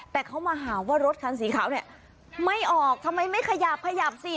แต่เขามาหาว่ารถคันสีขาวเนี่ยไม่ออกทำไมไม่ขยับขยับสิ